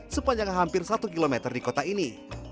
sepanjang hampir satu km di kota ini